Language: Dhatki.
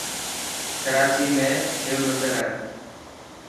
ڪراچي ۾ شو مندر هي.